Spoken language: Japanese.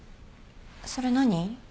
それ何？